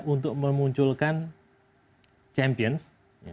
untuk memunculkan champions